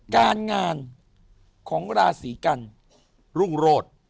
การงานของลาศีกัณฑ์